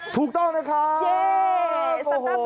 ถูกต้องนะครับ